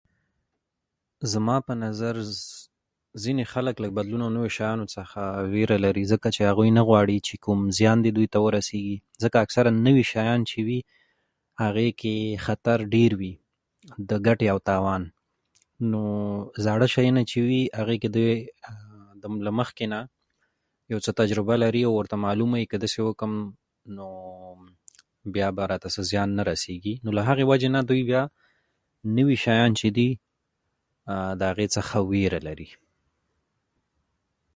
زما په نظر ځيني خلک له بدلو نوي شيانو څخه ويره لري. ځکه چې هغوی نه غواړي چې کوم زيان دي دوی ته ورسيږي. ځکه اکثرأ نوي شيان چې وي هغی کې خطر ډېر وي، د ګټې او تاوان. نو زاړه شيونه چې وي هغوی کې دوی له مخکې نه يو څه تجربه لري او ورته معلومه وي چې که داسې وکړم نو بيا راته څه زيان نه رسيږي. له هغې وجې نه دوی بيا نوي شيان چې دي د هغوی څخه ويره لري.